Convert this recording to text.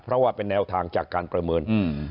เพราะว่าเป็นแนวทางจากการประเมิน